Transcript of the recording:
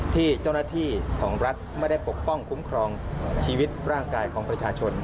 ที่เจ้าหน้าที่ของรัฐไม่ได้ปกป้องคุ้มครองชีวิตร่างกายของประชาชน